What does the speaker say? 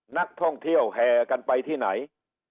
นักท่องเที่ยวแห่กันไปที่ไหน